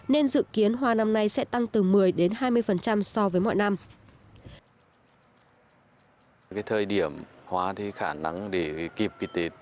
nên dự kiến hoa năm nay sẽ tăng từ một mươi đến hai mươi so với mọi năm